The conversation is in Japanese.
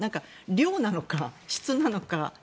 量なのか質なのか。